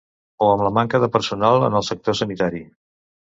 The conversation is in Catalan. O amb la manca de personal en el sector sanitari.